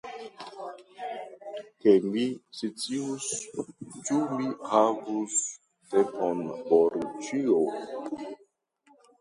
Ke mi scius, ĉu mi havus tempon por ĉio.